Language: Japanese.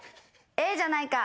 『ええじゃないか』